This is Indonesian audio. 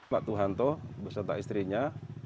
pak tuhanto berserta istrinya